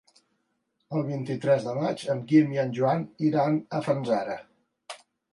El vint-i-tres de maig en Guim i en Joan iran a Fanzara.